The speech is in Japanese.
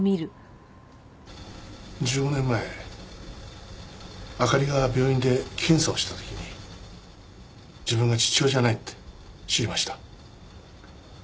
１５年前あかりが病院で検査をした時に自分が父親じゃないって知りました。